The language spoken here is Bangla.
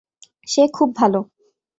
সে খুব ভাল